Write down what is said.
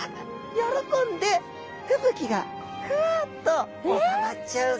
喜んで吹雪がふっとおさまっちゃうそうな。